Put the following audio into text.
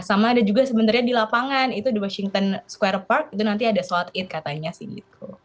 sama ada juga sebenarnya di lapangan itu di washington square park itu nanti ada sholat id katanya sih gitu